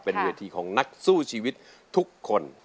เป็นเวทีของนักสู้ชีวิตทุกคน